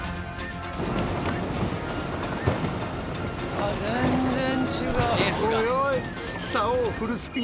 あっ全然違う。